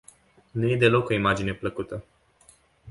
Nu e deloc o imagine plăcută.